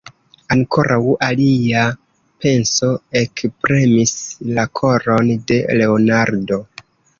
Ankoraŭ alia penso ekpremis la koron de Leonardo.